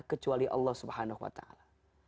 kecuali allah subhanahu wa ta'ala